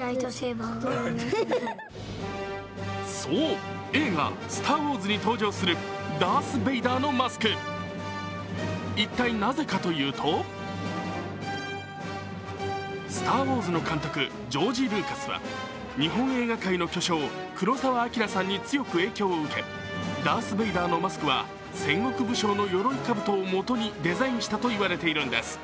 そう、映画「スター・ウォーズ」に登場するダース・ベイダーのマスク一体なぜかというと「スター・ウォーズ」の監督、ジョージ・ルーカスは日本映画界の巨匠黒澤明さんに強く影響を受けダース・ベイダーのマスクは戦国武将のよろいかぶとをもとにデザインしたと言われているんです。